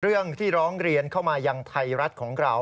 เรื่องที่ร้องเรียนเข้ามายังไทยรัฐของเรา